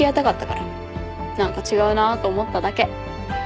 何か違うなと思っただけ。